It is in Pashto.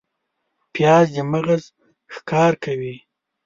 پیاز د مغز کار ښه کوي